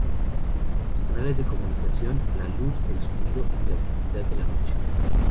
Los canales de comunicación: la luz, el sonido y la oscuridad de la noche.